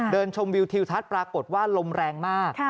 ชมวิวทิวทัศน์ปรากฏว่าลมแรงมาก